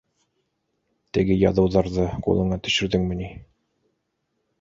— Теге яҙыуҙарҙы ҡулыңа төшөрҙөңмө ни?